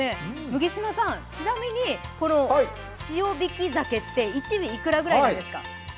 麦島さん、ちなにみこの塩引き鮭って１尾おいくらぐらいなんですか。